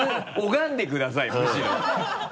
拝んでくださいむしろ。